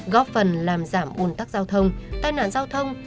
góp phần làm giảm ồn tắc giao thông tai nạn giao thông